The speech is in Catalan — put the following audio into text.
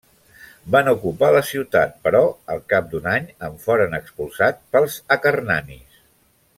Van ocupar la ciutat però al cap d'un any en foren expulsats pels acarnanis.